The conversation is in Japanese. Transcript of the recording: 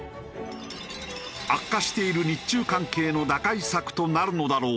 悪化している日中関係の打開策となるのだろうか？